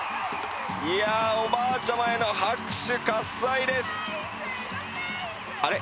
いやおばあちゃまへの拍手喝采ですあれ？